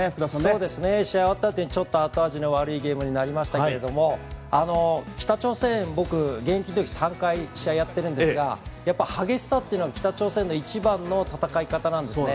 そうですね試合終わったあとにちょっと後味の悪いゲームになりましたけれども北朝鮮現役の時３回やってるんですがやっぱ激しさってのは北朝鮮の一番の戦い方なんですね。